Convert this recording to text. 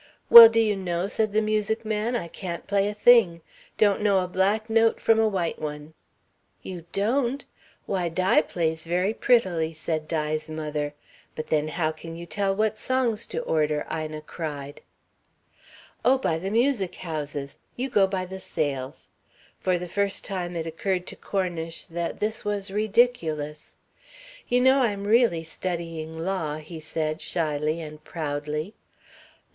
"Well, do you know," said the music man, "I can't play a thing. Don't know a black note from a white one." "You don't? Why, Di plays very prettily," said Di's mother. "But then how can you tell what songs to order?" Ina cried. "Oh, by the music houses. You go by the sales." For the first time it occurred to Cornish that this was ridiculous. "You know, I'm really studying law," he said, shyly and proudly.